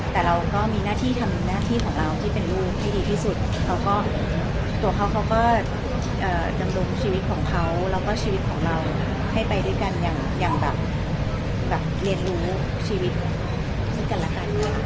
แต่เราก็มีหน้าที่ทำหน้าที่ของเราที่เป็นลูกที่ดีที่สุดแล้วก็ตัวเขาเขาก็ดำรงชีวิตของเขาแล้วก็ชีวิตของเราให้ไปด้วยกันอย่างแบบเรียนรู้ชีวิตซึ่งกันและกัน